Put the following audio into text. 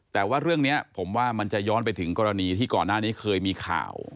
แต่ว่าเรื่องนี้ผมว่ามันจะย้อนไปถึงกรณีที่ก่อนหน้านี้เคยมีข่าว